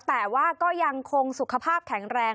แต่ว่าก็ยังคงสุขภาพแข็งแรง